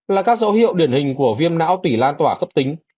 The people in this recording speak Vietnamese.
là các dấu hiệu điển hình của viêm não tỷ lan tỏa cấp tính